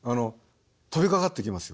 飛びかかってきますよ。